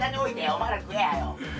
お前ら食え早う。